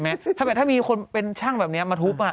ถ้าเกิดถ้ามีคนเป็นช่างแบบนี้มาทุบ